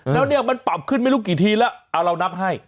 แล้วเนี่ยมันปรับขึ้นไม่รู้กี่ทีแล้วเอาเรานับให้